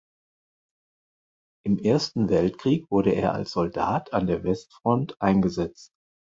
Im Ersten Weltkrieg wurde er als Soldat an der Westfront eingesetzt.